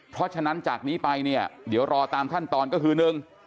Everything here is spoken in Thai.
เพราะฉะนั้นจากนี้ไปเนี่ยเดี๋ยวรอตามขั้นตอนก็คือหนึ่ง